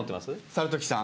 猿時さん。